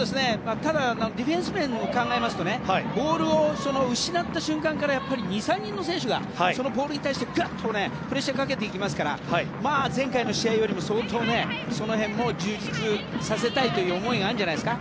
ただ、ディフェンス面を考えますとボールを失った瞬間から２３人の選手がそのボールに対してプレッシャーをかけていきますから前回の試合よりも相当その辺も充実させたいという思いがあるんじゃないんですか。